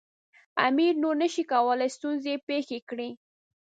امیر نور نه شي کولای ستونزې پېښې کړي.